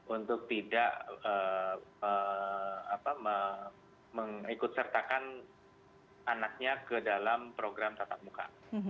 untuk tidak mengikut sertakan anaknya ke dalam program tatap muka